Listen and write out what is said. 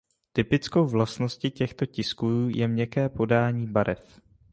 Typickou vlastnosti těchto tisků je měkké podání barev.